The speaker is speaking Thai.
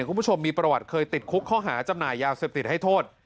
คุณผู้ชมมีประวัติเคยติดคุกข้อหาจำหน่ายยาเสพติดให้โทษ